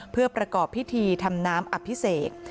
เพื่อประกอบพิธีทำน้ำอภิเษก